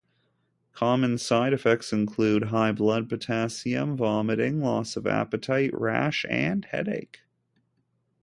Common side effects include high blood potassium, vomiting, loss of appetite, rash, and headache.